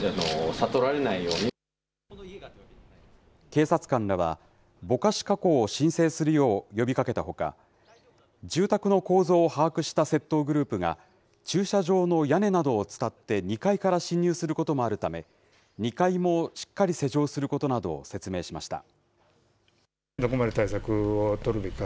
警察官らは、ぼかし加工を申請するよう呼びかけたほか、住宅の構造を把握した窃盗グループが、駐車場の屋根などをつたって２階から侵入することもあるため、２階もしっかり施錠することなどを説明しました。